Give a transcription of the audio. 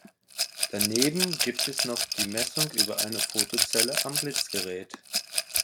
Daneben gibt es noch die Messung über eine Fotozelle am Blitzgerät.